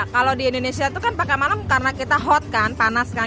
kalau di indonesia itu kan pakai malam karena kita hot kan panas kan